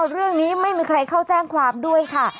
เรื่องนี้ไม่มีใครเข้าแจ้งความด้วยค่ะ